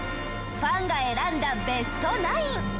ファンが選んだベスト９。